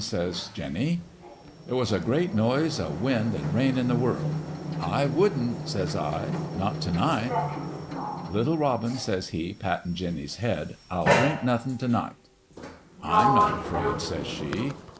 says Jinny. "There was a great noise o' wind an' rain in the world. ' I wouldn't, 1 says I ;' not t' night.' "* Little robin, 1 says he, pattin' Jinny's head, * I'll drink nothin' t' night.' "' I'm not afraid,' says she.